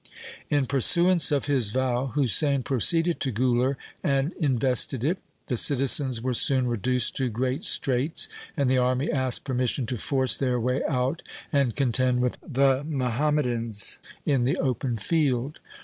In pursuance of his vow Husain proceeded to Guler and invested it. The citizens were soon reduced to great straits, and the army asked permission to force their way out and contend with the Muhammadans in the open field.